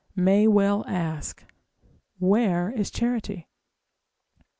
may well ask where is charity?